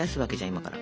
今から。